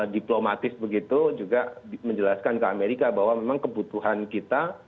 diplomatis begitu juga menjelaskan ke amerika bahwa memang kebutuhan kita